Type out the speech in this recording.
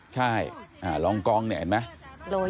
ใช่ลองกล้องเนี่ยเห็นมั้ย